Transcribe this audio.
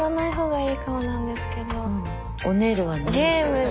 はい。